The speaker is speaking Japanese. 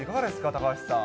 高橋さん。